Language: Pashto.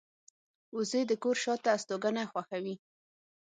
وزې د کور شاته استوګنه خوښوي